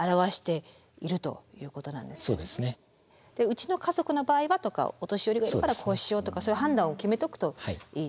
うちの家族の場合はとかお年寄りがいるからこうしようとかそういう判断を決めておくといいっていうことなんですね。